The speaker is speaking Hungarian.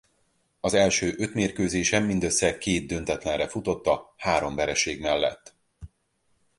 Az első öt mérkőzésen mindössze két döntetlenre futotta három vereség mellett.